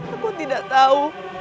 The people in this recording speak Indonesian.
aku tidak tahu